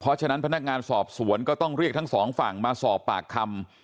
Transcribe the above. เพราะฉะนั้นพนักงานสอบสวนก็ต้องเรียกทั้งสองฝั่งมาสอบปากคำ